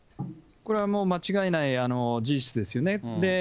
これは間違いない事実ですよね。